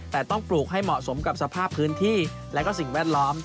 แต่ต้องปลูกให้เหมาะสมกับสภาพพื้นที่และก็สิ่งแวดล้อม